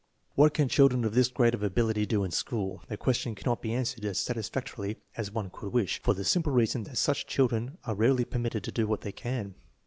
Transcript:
What can children of this grade of ability do in school? The question cannot be answered as satisfactorily as one could wish, for the simple reason that such children are rarely permitted to do what they can.